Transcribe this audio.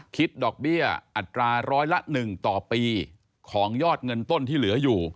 คิดดอกเบี้ยอัตราร้อยละ๑ต่อปีของยอดเงินต้นที่เหลืออยู่